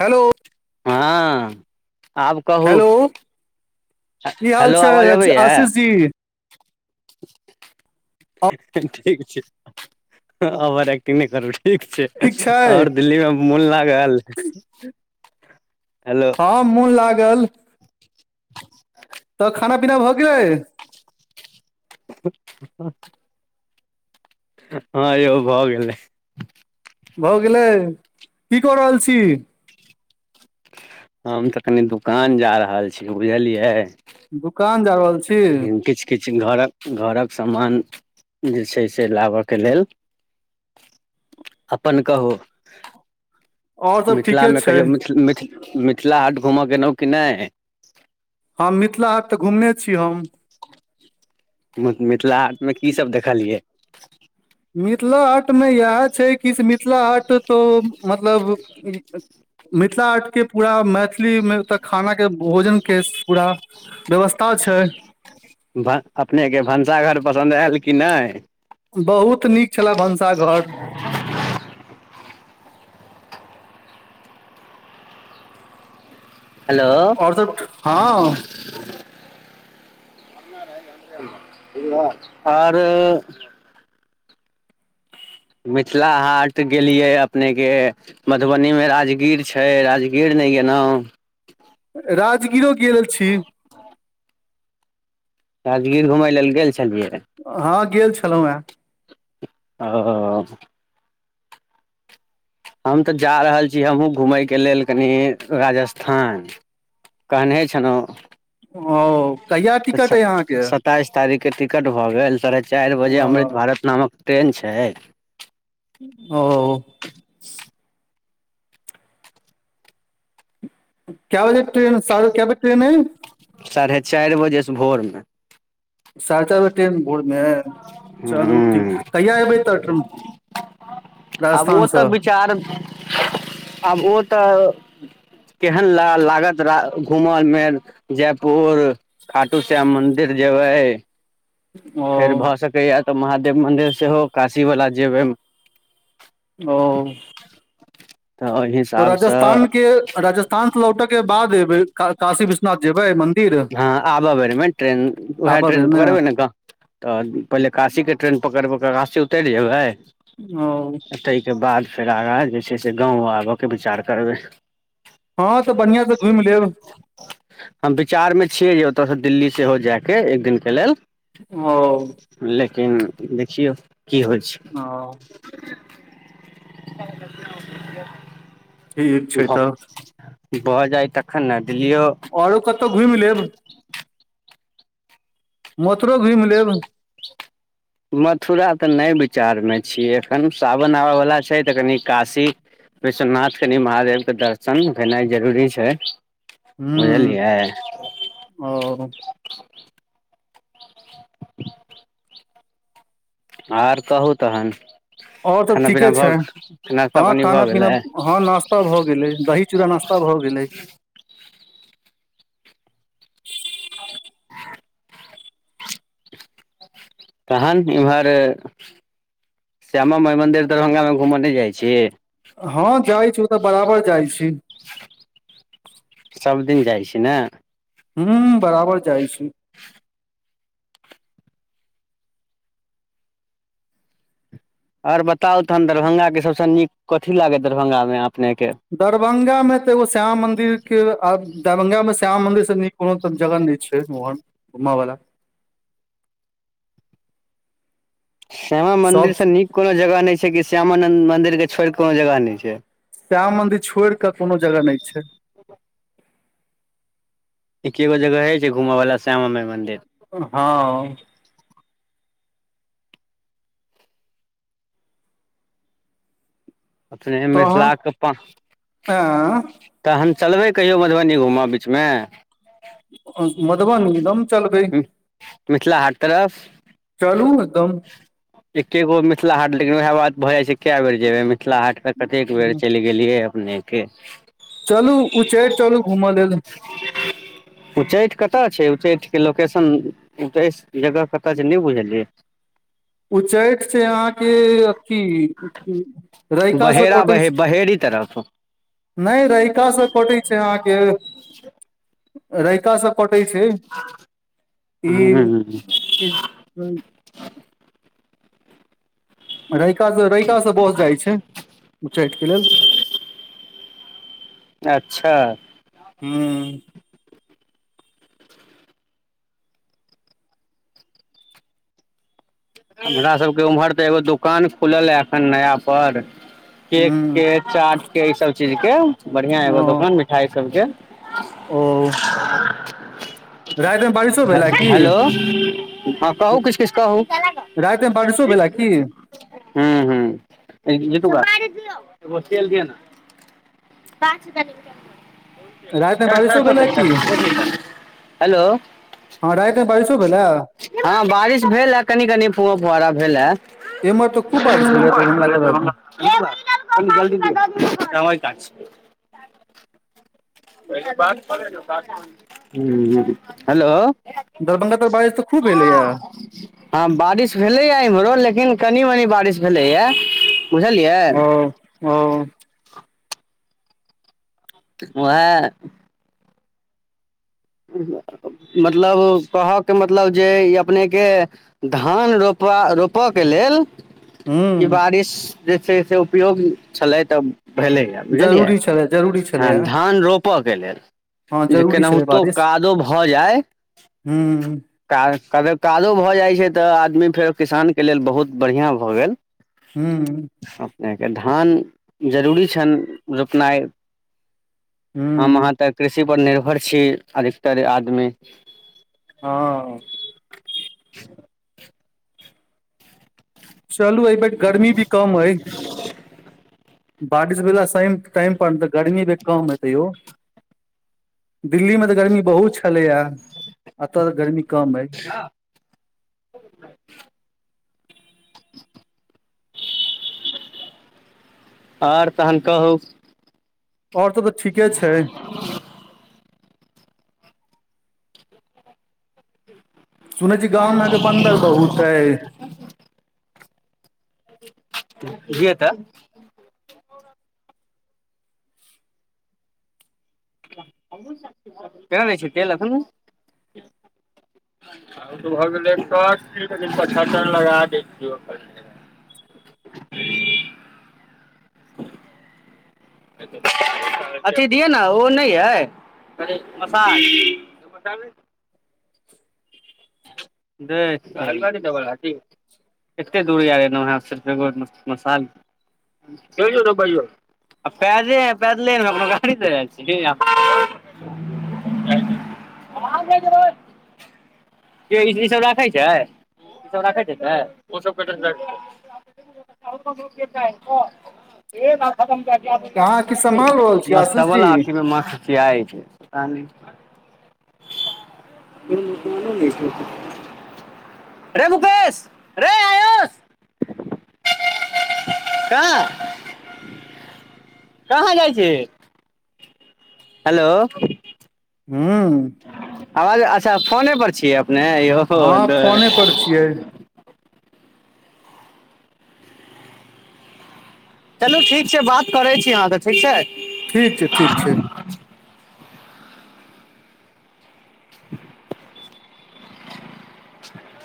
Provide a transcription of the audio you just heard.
Hello हँ आब कहू, हेलो की हाल हेलो छै आवाज आज- अबैये? आशीष जी ठीक छै, ओभर एक्टिंग नहि करू ठीक छै। आओर दिल्ली मे मोन लागल। हेलो, हँ मोन लागल। तऽ खाना पीना भऽ गेल? ण हँ यौ भ गेलै। भऽ गेलै। की कऽ रहल छी? हम तऽ कनि दुकान जा रहल छी बुझलियै। दुकान जा रहल छी। कनि किछ किछ घरक घरक सामान जे छै से लाबयके लेल। अपन कहू? आओर सब ठीके मिथिलामे छै कहियौ मिथ मिथ मिथिला हाट घूमऽ गेलहुँ कि नहि? हम मिथिला हाट तऽ घुमने छी हम। मिथिला हाटमे की सब देखलियै? मिथिला हाटमे इएह छै कि से मिथिला हाट तो मतलब मिथिला हाट के पूरा मैथिली मे तऽ खाना के भोजन के के पूरा व्यवस्था छै। वाह अपनेके भनसाघर पसन्द आयल कि नहि? बहुत नीक छलए भनसाघर। हेलो। आओर हँ [inaudible] [unintelligible] आर मिथिला हाट गेलियै अपनेके मधुबनी मे राजगीर छै राजगीर नहि गेलहुँ। राजगीरो गेल छी। राजगीर घुमय लेल गेल छलियै? हँ गेल छलहुँ हे। ओ। हम तऽ जा रहल छी, हमहुँ घूमय के लेल कनि राजस्थान। कहने छलहुँ ओ। कहिया तऽ टिकट अइ अहाँके सत्ताइस तारीखके टिकट भऽ गेल। साढ़े चारि बजे अमृत भारत नामक। ट्रेन छै। ओ। कै बजे ट्रेन, साढ़े कै बजे ट्रेन अइ। साढ़े चारि बजे से भोर में। साढ़े चार बजे ट्रेन भोर में अइ। चलू ठीक, हूँ कहिया एबै तऽ राजस्थानसँ। चार आब ओ तऽ केहन ला लागत र। घूमल में जयपुर, ‍खाटू श्याम मंदिर जेबै। ओ फेर भऽ सकैय तऽ महादेव मन्दिर सेहो काशीवला जेबै। ओ। तऽ ओ तऽ राजथान के राजस्थान से लौटे के बाद एबै काशी विश्वनाथ जेबै मंदिर। हँ आबऽ बेर में, ट्रेन उएह आबय ट्रेन बेरमे पकड़बै ने गाऽ। तऽ पहिले काशीके ट्रेन पकड़बै कऽ काशी उतरि जेबै। ओ। ताहिके बाद फेर आगाँ जे छै से गाँव आबयके विचार करबै। हँं तऽ बढ़ियां से घुमि लेब। हम विचार में छियै जे ओतयसँ दिल्ली सेहो जायके एक दिनक के लेल। ओ। लेकिन देखियौ की होइ छै। हँ। ठीक छै भऽ, तऽ भऽ जाइ तखन ने दिल्लियो। आओरो कतहु घुमि लेब। मथुरो घुमि लेब। मथुरा तऽ नहि विचार में छियै एखन, सावन आबयवला छै तऽ कनि काशी। विश्वनाथ कनि महादेवके दर्शन केनाइ जरूरी छै, हूँ बुझलियै। ओ। [inaudible] अओर कहू तहन। आओर त खाना ठीके पीना छै, भऽ नाश्ता हँ पानी भऽ खाना-पीना गेलै हँ नास्ता भऽ गेलै, दही। चूड़ा नास्ता भऽ गेलै। [unintelligible] तहन ईम्हर। श्यामा माइ मन्दिर दरभंगा में घूमऽ नय जाइ छी। हँ जाइ छी, ओत्तऽ बराबर जाइ छी। सब दिन जाइ छी ने। हूं, बराबर जाइ छी। आओर बताउ तखन दरभंगा के सभ सँ नीक कथी लागए दरभंगा में अपने के। दरभंगा में तऽ एगो श्यामा मन्दिर के, आ दरभंगा में श्यामा मन्दिर सँ नीक। कोनो सब जगह नय छै, ओहन घुमअ वाला। श्यामा मंदिर सब से नीक कोनो जगह नय छै कि श्यामा नंन्द मदिर के छोड़ के कोनो जगह नय छै श्यामा मंदिर छोइड़ के कोनो जगह नय छै एकेगो जगह अय छै घुमय वला श्यामा माई मन्दिर हँ अपने तहन मिथिलाक [unintelligible] एँ तहन चलबै कहियौ मधुबनी घूमऽ बीच में [unintelligible] मधुबनी चलबै मिथिला हाट तरफ चलू एकदम [unintelligible] एके गो मिथिला हाट लेकिन उएह बात भऽ जाइ छै कए बेर जेबे मिथिला हाट पर कतेक बेर गेलियै अपने के चलू उच्चैठ चलू घूमअ लेल उच्चैठ कतअ छै उच्चैठ के लोकेशन उच्चैठ जगह कत छै नय बुझलियै उच्चैठ छै अहाँके अथी रैहिका से कटै छै [unintelligible] तरह नय रहिका से कटए छै अहाँके रैहिका से कटै छै हूँ ई [unintelligible] रहिका सँ रहिका से बस जाइ छै। उच्चठ के लेल अच्छा मू हमरा सबके उम्हर तऽ एगो दुकान खुलल य एखन नया पर केक हूँ के चाट के ई सब चीज के बढ़िया एगो ओ दोकान मिठाई सब के ओ रातिमे बारिशो भेला [unintelligible] की हेलो हँ कहू किछ किछ कहू रात मे बरशो भेला की हु हु [unintelligible] रातिमे बारिशो भेला की [unintelligible] [unintelligible] हेलो बारिशों भेला हँ बारिश भेल आ कनि कनि एम्हर तऽ खूब बारिश भेलै दरभंगा [unintelligible] तरफ [unintelligible] [unintelligible] हेलो दरभंगा तरफ बारिश तऽ खूब एलैया हँ बारिश भेलैए इम्हरो लेकिन कनि मनी बारिश भेलैए बुझलियै ओ ह -औ ह वोहा मतलब कहऽके मतलब जे ई अपनेॅं के धान रोपा रोपकऽ लेल ई हूँ बारिश जे छै से उपयोग छलै तऽ भेलै। बुझलियै जरूरी छलै जरूरी हँ छलैया धान रोपऽ के लेल हँ जे जरूरी छलै केनाहो बारिश कादो भऽ जाय। हूँ काज कनी कादो भऽ जाइत छै तऽ आदमी फेर किसानके लेल बहुत बढ़िआँ भऽ गेल। हूँ। अपनेके धान जरूरी छैइन रोपनाइ। हूँ हम-अहाँ तऽ कृषिपर निर्भर छी, अधिकतर आदमी। हँ। चलू एहि बेर गर्मी भी कम अयऽ। बारिश भेला साइन टाइम पर नेॅं तऽ गर्मी भी कम हेतै यौ। दिल्ली में तऽ गर्मी बहुत छलैएा। एतऽ तऽ गर्मी कम अइ। [inaudible] आओर तहन कऽहू। आओर सब तऽ ठीके छै। सुनै छी गाँव में अहाँक बन्दर बहुत अइ। ये तऽ। केना दै छै तेल एखनू। ई भऽ गेलै फस्ट दिन जे पछहत्तर लगा दै छियै ओकर। [inaudible] अथी दिय ने ओ नहि अइ। कै मसाज। दे हलव द बथी [unintelligible] एते दूर आय ऐलौं हें सिर्फ एगो मसाल। आ पैरे- पैदले एलौं हे, कोनो गाड़ी सऽ आयल छिय की। [unintelligible] ई सब राखै छै, ई सब राखै छै से। अहाँ की सम्हाल रहल छी आशीष जी [unintelligible] [unintelligible] [unintelligible] रे मुकेश, रे आयोष। कहां, कहाँ जाइ छि। हेलो। हूँ। आवाज अच्छा, फोने पर छियै अपने यौ। हँ फोने पर छियै। चलू ठीक छै, बात कऽरै छी अहाँ से ठीक छै। ठीक छै, ठीक छै। [inaudible] [inaudible]